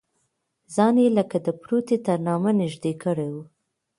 ځان یې لکه د پروتې تر نامه نږدې کړی و.